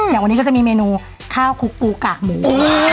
อย่างวันนี้ก็จะมีเมนูข้าวคุกปูกากหมู